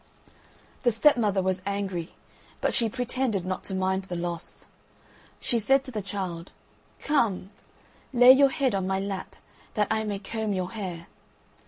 The stepmother was angry, but she pretended not to mind the loss. She said to the child: "Come, lay your head on my lap that I may comb your hair."